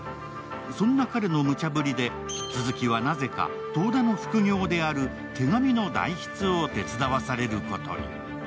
そんなの彼の無茶ぶりで、続はなぜか遠田の副業である手紙の代筆を手伝わされることに。